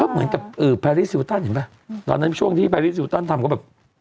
เหมือนกับแพรรี่ซิลตันเห็นป่ะตอนนั้นช่วงที่แพรรี่ซิลตันทำก็แบบ